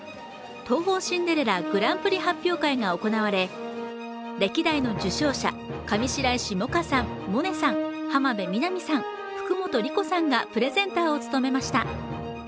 東宝シンデレラグランプリ発表会が行われ歴代の受賞者、上白石萌歌さん、萌音さん、浜辺美波さん、福本莉子さんがプレゼンターを務めました。